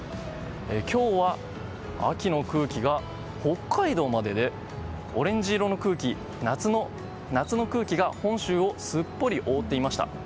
今日は、秋の空気が北海道まででオレンジ色の夏の空気が本州をすっぽり覆っていました。